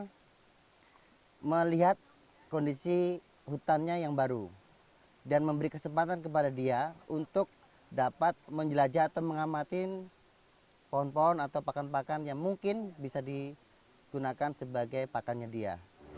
saya melihat kondisi hutannya yang baru dan memberi kesempatan kepada dia untuk dapat menjelajah atau mengamatin pohon pohon atau pakan pakan yang mungkin bisa digunakan sebagai pakannya dia